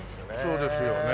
そうですよね。